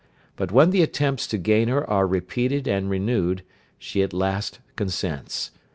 But when the attempts to gain her are repeated and renewed, she at last consents.